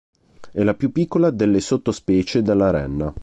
È la più piccola delle sottospecie della renna.